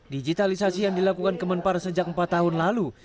digitalisasi yang dilakukan kemenpar sejak empat tahun lalu